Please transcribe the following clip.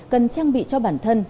cần trang bị cho bản thân